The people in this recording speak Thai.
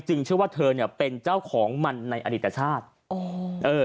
จึงเชื่อว่าเธอเป็นเจ้าของมันในอดีตชาติ